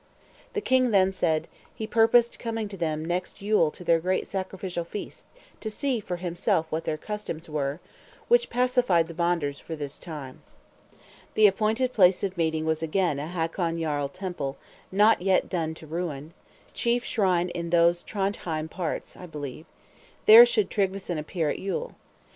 The king then said, "He purposed coming to them next Yule to their great sacrificial feast, to see for himself what their customs were," which pacified the Bonders for this time. The appointed place of meeting was again a Hakon Jarl Temple, not yet done to ruin; chief shrine in those Trondhjem parts, I believe: there should Tryggveson appear at Yule.